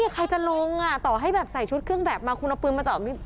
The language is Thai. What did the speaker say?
ใครจะลงต่อให้แบบใส่ชุดเครื่องแบบมาคุณเอาปืนมาจอด